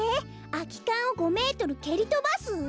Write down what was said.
「空き缶を５メートル蹴りとばす」？